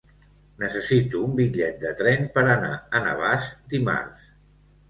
Necessito un bitllet de tren per anar a Navàs dimarts.